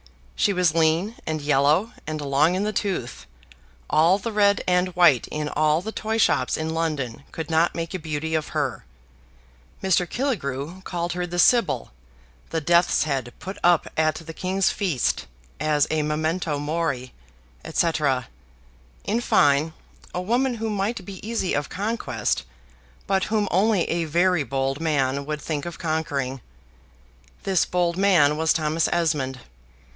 She was lean, and yellow, and long in the tooth; all the red and white in all the toy shops in London could not make a beauty of her Mr. Killigrew called her the Sybil, the death's head put up at the King's feast as a memento mori, &c. in fine, a woman who might be easy of conquest, but whom only a very bold man would think of conquering. This bold man was Thomas Esmond.